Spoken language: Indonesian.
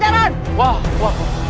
dengan diri kamu